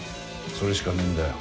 それしかねえんだよ